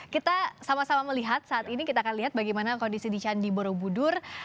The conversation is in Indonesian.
kita sama sama melihat saat ini kita akan lihat bagaimana kondisi di candi borobudur